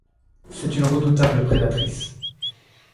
C'est une redoutable prédatrice.